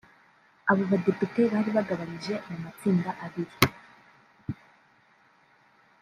Abo badepite bari bagabanyije mu matsinda abiri